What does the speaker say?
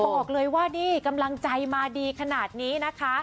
บอกเลยว่านี่กำลังใจมาดีขนาดนี้นะคะ